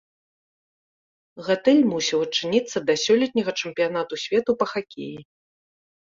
Гатэль мусіў адчыніцца да сёлетняга чэмпіянату свету па хакеі.